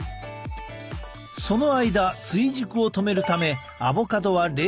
その間追熟を止めるためアボカドは冷蔵状態に。